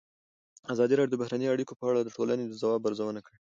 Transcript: ازادي راډیو د بهرنۍ اړیکې په اړه د ټولنې د ځواب ارزونه کړې.